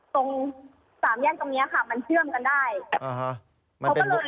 ตรงสามแยกตรงเนี้ยค่ะมันเชื่อมกันได้อ่าฮะมันเป็น